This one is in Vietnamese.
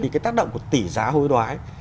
cái tác động của tỷ giá hôi đoái